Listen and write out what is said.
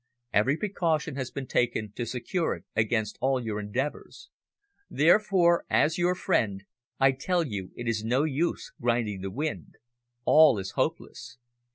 Every precaution has been taken to secure it against all your endeavours. Therefore, as your friend I tell you it is no use grinding the wind. All is hopeless!